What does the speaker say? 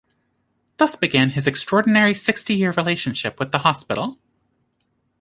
Thus began his extraordinary sixty-year relationship with the hospital.